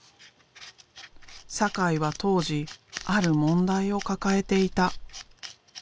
酒井は当時ある問題を抱えていた。